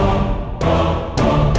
ada apaan sih